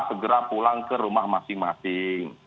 segera pulang ke rumah masing masing